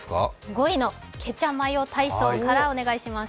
５位のケチャマヨ体操からお願いします。